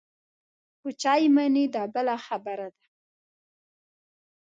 په چا یې منې دا بله خبره ده.